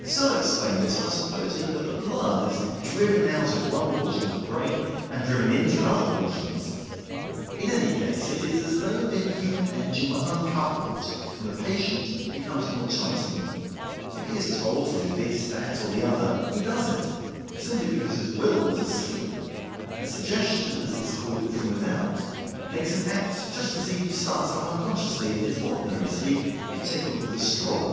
Some explain this by supposing that the blood is driven out of one portion of the brain and driven into other portions. In any case, it is as though the human engine were uncoupled, and the patient becomes an automaton. If he is told to do this, that, or the other, he does it, simply because his will is asleep and "suggestion", as it is called, from without makes him act just as he starts up unconsciously in his ordinary sleep if tickled with a straw.